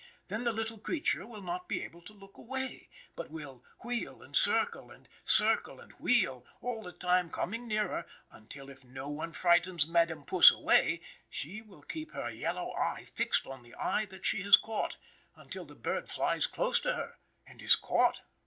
Then the little creature will not be able to look away, but will wheel and circle, and circle and wheel, all the time coming nearer, until, if no one frightens Madame Puss away, she will keep her yellow eye fixed on the eye that she has caught, until the bird flies close to her and is caught.